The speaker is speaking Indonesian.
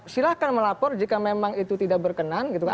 silahkan melapor jika memang itu tidak berkenan gitu kan